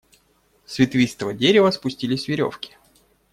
С ветвистого дерева спустились веревки.